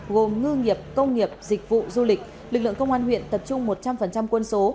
gồm ngư nghiệp công nghiệp dịch vụ du lịch lực lượng công an huyện tập trung một trăm linh quân số